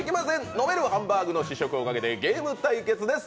飲めるハンバーグの試食をかけてゲーム対決です。